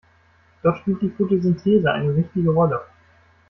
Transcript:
Dort spielt die Fotosynthese eine wichtige Rolle.